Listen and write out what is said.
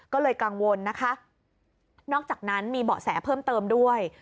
ก็เลยกังวลนะคะนอกจากนั้นมีเบาะแสเพิ่มเติมด้วย